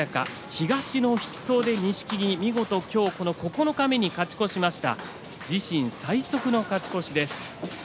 東の筆頭で今日、九日目に勝ち越しました。